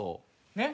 ねっ？